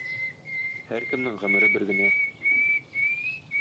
Һәркемнең гомере бер генә.